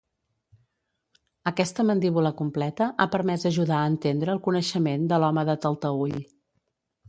Aquesta mandíbula completa ha permès ajudar a entendre el coneixement de l'home de Talteüll.